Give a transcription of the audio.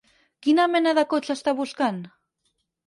Quina mena de cotxe està buscant?